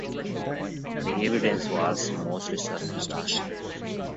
The evidence was mostly circumstantial.